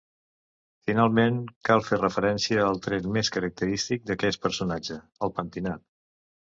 Finalment, cal fer referència al tret més característic d’aquest personatge: el pentinat.